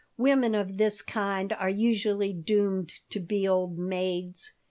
"Women of this kind are usually doomed to be old maids."